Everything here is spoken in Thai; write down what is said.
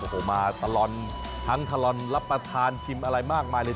โอ้โหมาตลอดทั้งทะลอนรับประทานชิมอะไรมากมายเลย